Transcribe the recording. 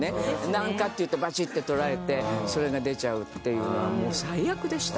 何かっていうとバチッて撮られてそれが出ちゃうっていうのはもう最悪でした。